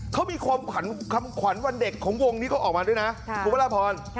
เขามีความคำขวัญวันเด็กของวงนี้เขาออกมาด้วยนะคุณพระราพร